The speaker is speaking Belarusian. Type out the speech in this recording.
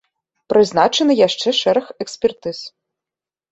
Прызначаны яшчэ шэраг экспертыз.